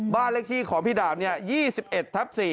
บ้านเลขที่ของพี่ดาบ๒๑ทับ๔